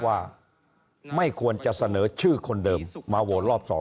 ว่าไม่ควรจะเสนอชื่อคนเดิมมาโหวตรอบ๒